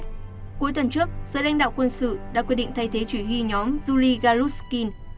cuối tuần trước giới lãnh đạo quân sự đã quyết định thay thế chỉ huy nhóm zuligarushkin